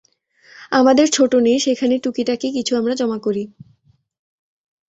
আমাদের ছোটো নীড়, সেখানে টুকিটাকি কিছু আমরা জমা করি।